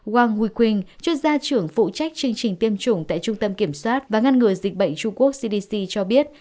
wangwekwinh chuyên gia trưởng phụ trách chương trình tiêm chủng tại trung tâm kiểm soát và ngăn ngừa dịch bệnh trung quốc cdc cho biết